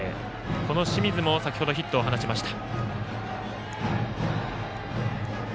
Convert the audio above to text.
この清水も先ほどヒットを放ちました。